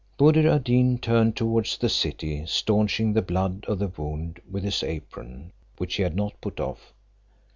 Buddir ad Deen turned towards the city staunching the blood of the wound with his apron, which he had not put off.